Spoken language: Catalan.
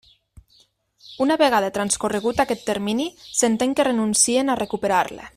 Una vegada transcorregut aquest termini s'entén que renuncien a recuperar-la.